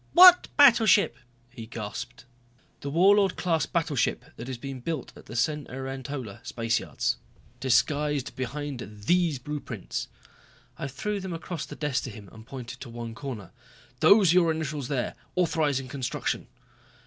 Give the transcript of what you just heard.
"What battleship!" he gasped. "The Warlord class battleship that is being built at the Cenerentola Spaceyards. Disguised behind these blueprints." I threw them across the desk to him, and pointed to one corner. "Those are your initials there, authorizing construction."